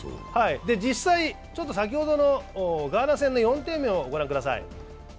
実際、先ほどのガーナ戦の４点目を御覧ください。